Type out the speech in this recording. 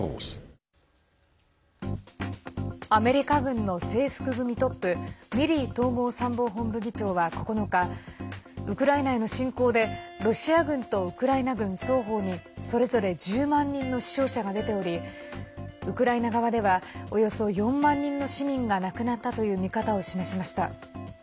アメリカ軍の制服組トップミリー統合参謀本部議長は９日ウクライナへの侵攻でロシア軍とウクライナ軍双方にそれぞれ１０万人の死傷者が出ておりウクライナ側ではおよそ４万人の市民が亡くなったという見方を示しました。